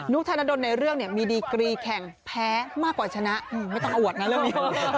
นุคธนดลในเรื่องมีดีกรีแข่งแพ้มากกว่าชนะไม่ต้องอวดนะเรื่องนี้